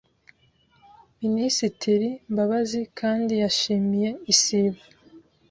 Minisitiri Mbabazi kandi yashimiye Isibo